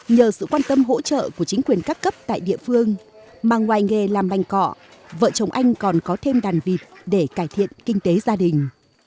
nhờ sự quan tâm hỗ trợ của chính quyền các cấp tại địa phương mà ngoài nghề làm bành cọ vợ chồng anh còn có thêm đàn vịt để cải thiện kinh tế gia đình